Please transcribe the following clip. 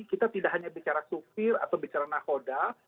kita tidak hanya bicara sufir atau bicara nakhoda